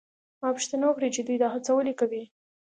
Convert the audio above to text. ما پوښتنه وکړه چې دوی دا هڅه ولې کوي؟